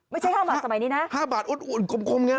ไม่ใช่๕บาทสมัยนี้นะ๕บาทอุดคมอย่างนี้นะ